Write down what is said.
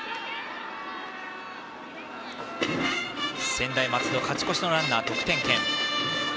専大松戸、勝ち越しのランナー得点圏。